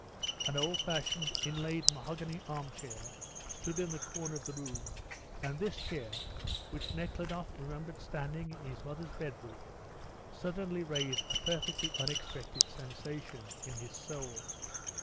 An old fashioned inlaid mahogany arm chair stood in the corner of the room, and this chair, which Nekhludoff remembered standing in his mother's bedroom, suddenly raised a perfectly unexpected sensation in his soul.